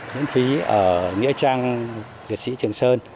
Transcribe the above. nguyễn phí ở nghĩa trang việt sĩ trường sơn